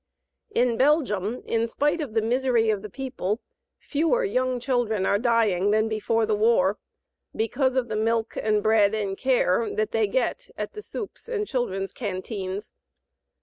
In Belgium, in spite of the misery of the people, fewer young children are dying than before the war, because of the milk and bread and care that they get at the "soupes" and children's canteens.